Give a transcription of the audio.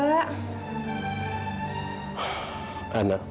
gak diangkat pak ana udah coba